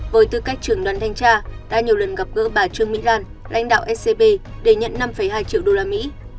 với tư cách trưởng đoàn thanh tra đã nhiều lần gặp gỡ bà trương mỹ lan lãnh đạo scb để nhận năm hai triệu usd